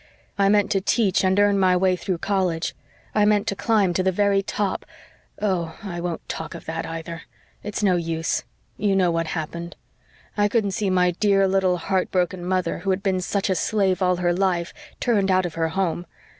I meant to teach and earn my way through college. I meant to climb to the very top oh, I won't talk of that either. It's no use. You know what happened. I couldn't see my dear little heart broken mother, who had been such a slave all her life, turned out of her home.